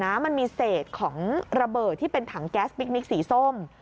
มันมีเศษของระเบิดที่เป็นถังแก๊สพิคนิคสีส้ม